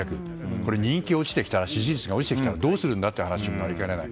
これ任期が落ちてきたら支持率が落ちてきたらどうするんだという話にもなりかねない。